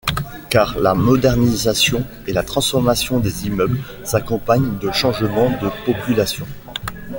Car la modernisation et la transformation des immeubles s’accompagnent de changements de populations.